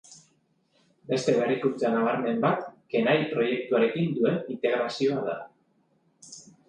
Beste berrikuntza nabarmen bat, Kenai proiketuarekin duen integrazioa da.